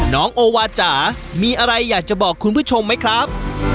น้องโอวาจ๋ามีอะไรอยากจะบอกคุณผู้ชมไหมครับ